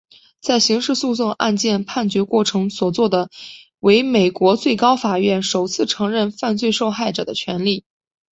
在刑事诉讼案件判决过程所做的为美国最高法院首次承认犯罪受害者的权利。